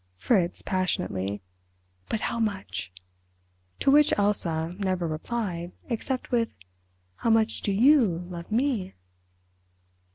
Fritz passionately: "But how much?" To which Elsa never replied—except with "How much do you love _me?